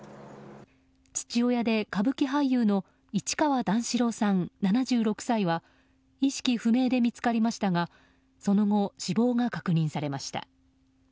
父親で歌舞伎俳優の市川段四郎さん、７６歳は意識不明で見つかりましたがその後、死亡が確認されました。